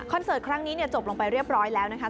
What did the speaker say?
เสิร์ตครั้งนี้เนี่ยจบลงไปเรียบร้อยแล้วนะคะ